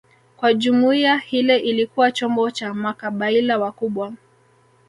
kuwa jumuiya hile ilikuwa chombo cha makabaila wakubwa